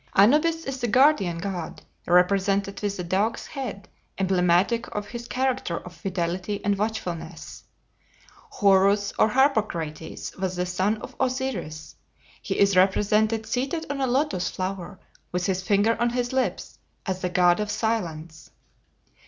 Anubis is the guardian god, represented with a dog's head, emblematic of his character of fidelity and watchfulness. Horus or Harpocrates was the son of Osiris. He is represented seated on a Lotus flower, with his finger on his lips, as the god of Silence.